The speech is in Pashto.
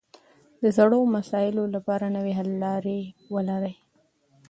د زړو مسایلو لپاره نوې حل لارې ولري